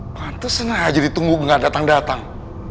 pantesan aja ditunggu gak datang datang